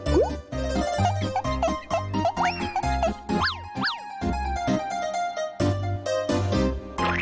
ว้าว